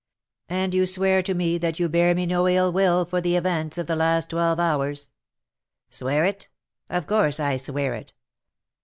"And you swear to me that you bear me no ill will for the events of the last twelve hours?" "Swear it? Of course I swear it.